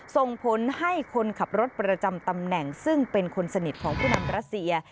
ส่งผลให้คนขับรถประจำตำแหน่งซึ่งเป็นคนสนิทของผู้นำรัสเซีย